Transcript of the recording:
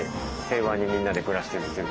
平和にみんなで暮らしてる感じです。